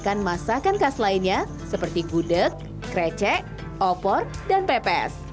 makan masakan khas lainnya seperti gudeg krecek opor dan pepes